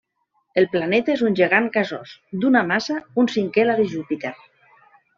El planeta és un gegant gasós d'una massa un cinquè la de Júpiter.